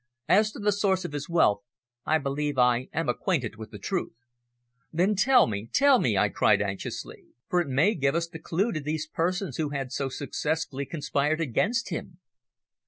As to the source of his wealth, I believe I am acquainted with the truth." "Then tell me, tell me!" I cried anxiously. "For it may give us the clue to these persons who had so successfully conspired against him."